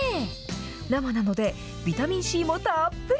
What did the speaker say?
生なのでビタミンＣもたっぷり。